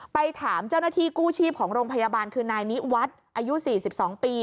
ไปถามเจ้าหน้าที่กู้ชีพของโรงพยาบาลคือนายนิวัฒน์อายุ๔๒ปี